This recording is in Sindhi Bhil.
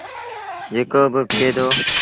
جيڪو با پيٚئي دو ۔